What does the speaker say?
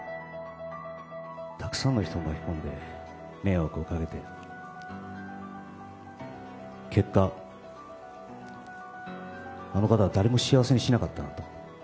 たくさんの人を巻き込んで、迷惑をかけて、結果、あの方は誰も幸せにしなかったなと。